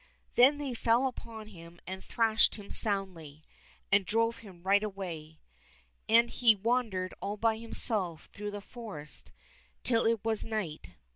Then they fell upon him and thrashed him soundly, and drove him right away. And he wandered all by himself through the forest till it was night.